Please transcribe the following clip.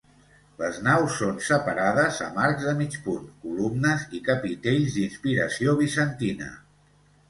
Les naus són separades amb arcs de mig punt, columnes i capitells d'inspiració bizantina.